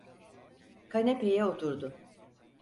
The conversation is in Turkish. Kanepeye oturdu.